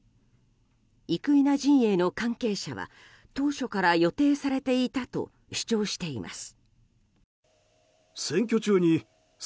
生稲陣営の関係者は当初から予定されていたと主張しています。